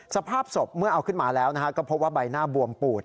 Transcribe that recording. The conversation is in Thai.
สภาพศพเมื่อเอาขึ้นมาแล้วก็พบว่าใบหน้าบวมปูด